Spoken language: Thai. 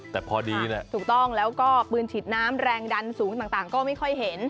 แต่พอดีเนี่ยถูกต้องแล้วก็ปืนฉีดน้ำแรงดันสูงต่างก็ไม่ค่อยเห็น